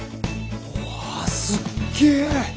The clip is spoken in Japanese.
うわすっげえ！